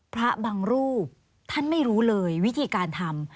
พระบางรูปท่านไม่รู้เลยวิธีการทำ